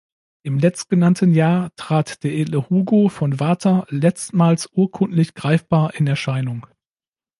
Im letztgenannten Jahr trat der Edle Hugo von Warta letztmals urkundlich greifbar in Erscheinung.